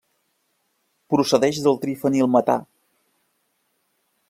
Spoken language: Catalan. Procedeix del trifenilmetà.